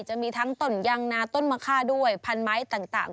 จะมีทั้งต้นยางนาต้นมะค่าด้วยพันไม้ต่าง